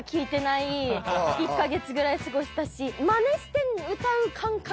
１カ月ぐらい過ごしたし。